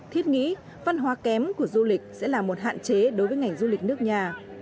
thiết nghĩ văn hóa kém của du lịch sẽ là một hạn chế đối với ngành du lịch nước nhà